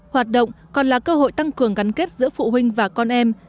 hoạt động còn là cơ hội tăng cường gắn kết giữa phụ huynh và con em